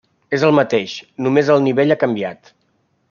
És el mateix, només el nivell ha canviat.